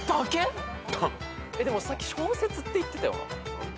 でもさっき小説って言ってたよな。